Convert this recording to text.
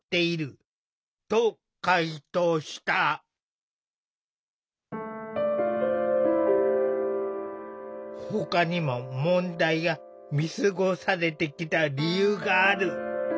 都は取材に対しほかにも問題が見過ごされてきた理由がある。